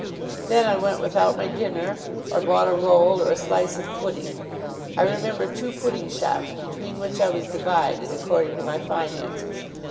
Then, I went without my dinner, or bought a roll or a slice of pudding. I remember two pudding shops, between which I was divided, according to my finances.